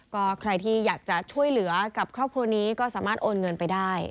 ก็ใครที่อยากจะช่วยเหลือกับครอบครัวนี้ก็สามารถโอนเงินไปได้